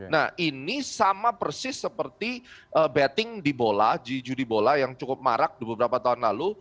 nah ini sama persis seperti betting di bola judi bola yang cukup marak di beberapa tahun lalu